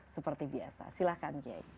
seperti biasa silahkan giyai